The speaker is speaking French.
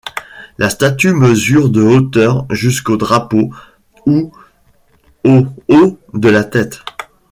La statue mesure de hauteur jusqu’au drapeau, ou au haut de la tête.